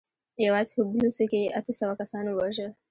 يواځې په بلوڅو کې يې اته سوه کسان ووژل.